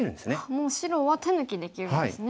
もう白は手抜きできるんですね。